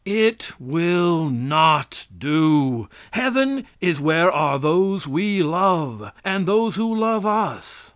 It will not do. Heaven is where are those we love, and those who love us.